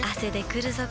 くるぞ？